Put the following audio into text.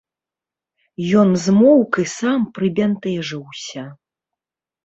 Ён змоўк і сам прыбянтэжыўся.